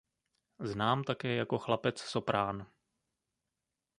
Znám také jako chlapec soprán.